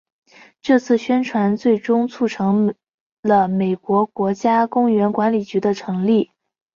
这次宣传最终促成了美国国家公园管理局的成立。